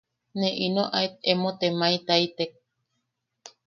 Ne ino aet emo temaetaitek.